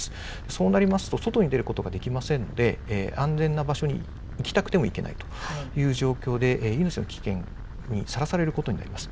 そうなりますと、外に出ることができませんで、安全な場所に行きたくても行けないという状況で、命の危険にさらされることになります。